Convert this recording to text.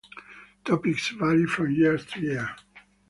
Topics vary from year to year.